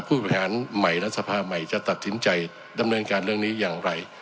ผู้บริหารใหม่รัฐสภาใหม่จะตัดสินใจดำเนินการเรื่องนี้อย่างไร